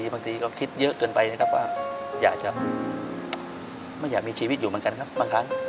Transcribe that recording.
บางทีก็คิดเยอะเกินไปนะครับว่าอยากจะไม่อยากมีชีวิตอยู่เหมือนกันครับบางครั้ง